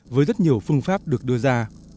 với rất nhiều phương pháp được đưa ra